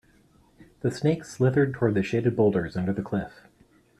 The snake slithered toward the shaded boulders under the cliff.